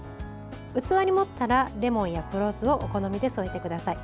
器に盛ったらレモンや黒酢をお好みで添えてください。